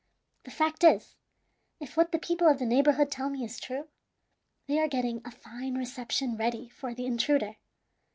The fact is, if what the people of the neighborhood tell me is true, they are getting a fine reception ready for the intruder.